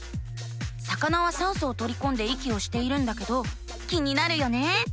魚は酸素をとりこんで息をしているんだけど気になるよね。